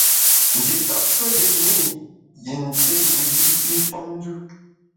Nji tap tue yètne i yin té wiyi’shi femnjù.